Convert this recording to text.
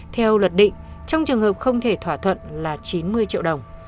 theo luật định trong trường hợp không thể thỏa thuận là chín mươi triệu đồng